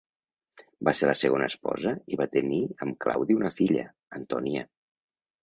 Va ser la seva segona esposa i va tenir amb Claudi una filla, Antònia.